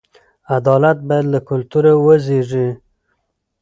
عدالت باید له کلتوره وزېږي.